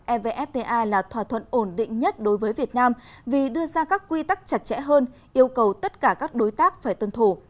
evfta là thỏa thuận ổn định nhất đối với việt nam vì đưa ra các quy tắc chặt chẽ hơn yêu cầu tất cả các đối tác phải tuân thủ